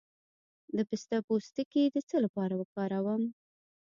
د پسته پوستکی د څه لپاره وکاروم؟